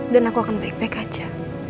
dan aku akan baik baik aja